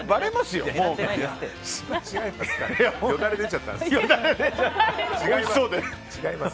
よだれ出ちゃったんです。